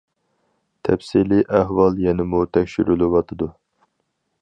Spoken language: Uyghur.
تەپسىلىي ئەھۋال يەنىمۇ تەكشۈرۈلۈۋاتىدۇ.